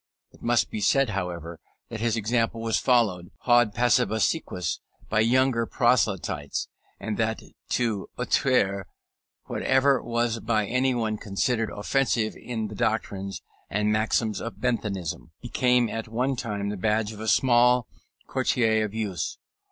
It must be said, however, that his example was followed, haud passibus aequis, by younger proselytes, and that to outrer whatever was by anybody considered offensive in the doctrines and maxims of Benthamism, became at one time the badge of a small coterie of youths.